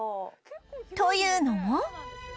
というのも